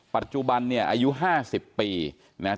ปัจจุบันเนี่ยอายุ๕๐ปีนะครับ